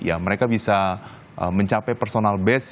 ya mereka bisa mencapai personal base